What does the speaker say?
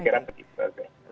saya kira begitu